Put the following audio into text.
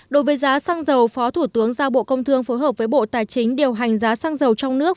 đối với giá xăng dầu phó thủ tướng giao bộ công thương phối hợp với bộ tài chính điều hành giá xăng dầu trong nước